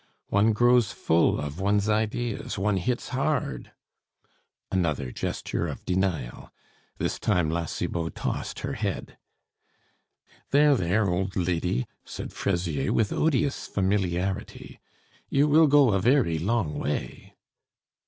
One grows full of one's ideas, one hits hard " Another gesture of denial. This time La Cibot tossed her head. "There, there, old lady," said Fraisier, with odious familiarity, "you will go a very long way!